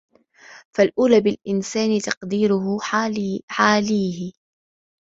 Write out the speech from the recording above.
فَالْأَوْلَى بِالْإِنْسَانِ تَقْدِيرُ حَالَيْهِ